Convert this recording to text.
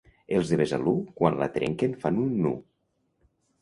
Els de Besalú quan la trenquen fan un nu.